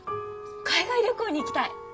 海外旅行に行きたい。